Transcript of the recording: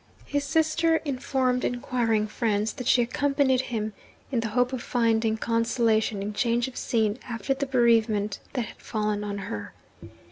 His sister informed inquiring friends that she accompanied him, in the hope of finding consolation in change of scene after the bereavement that had fallen on her.